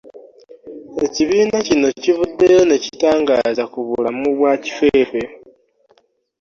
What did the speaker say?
Ekibiina kino kivuddeyo ne kitangaaza ku bulamu bwa Kifeefel